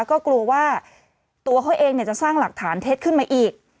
ก็กลัวว่าตัวเขาเองจะสร้างหลักฐานเท็จขึ้นมาอีก